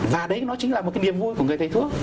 và đấy nó chính là một cái niềm vui của người thầy thuốc